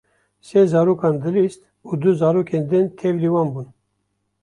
Sê zarokan dilîst û du zarokên din tevlî wan bûn.